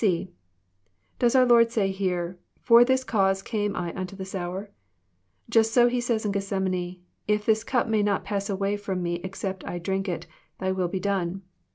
(c) Does our Lord say here, For this cause came I nnto this hour"? Just so he says in Gethsemane, " If this cup may not pass away from Me except I drink it, Thy will be done."